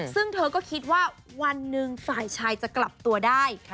ซึ่งเธอก็คิดว่าวันหนึ่งฝ่ายชายจะกลับตัวได้